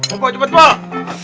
oh pak cepat pak